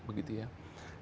saat kita melakukan check up